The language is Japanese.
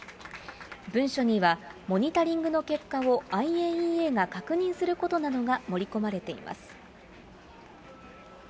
文書には、モニタリングの結果をＩＡＥＡが確認することなどが盛り込まれています。